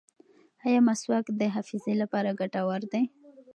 ایا مسواک د حافظې لپاره ګټور دی؟